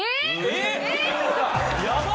えっ！？